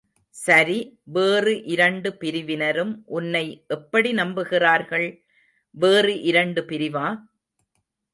சரி, வேறு இரண்டு பிரிவினரும் உன்னை எப்படி நம்புகிறார்கள்? வேறு இரண்டு பிரிவா?